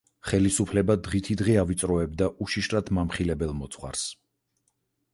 ხელისუფლება დღითიდღე ავიწროებდა უშიშრად მამხილებელ მოძღვარს.